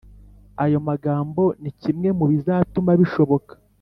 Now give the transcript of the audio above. Ayo magambo ni kimwe mubizatuma bishoboka.